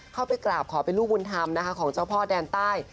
เข้าไปกราบขอเป็นลูกบุญธรรมนะคะของเจ้าพ่อแดนใต้